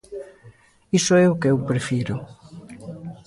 Iso é o que eu prefiro.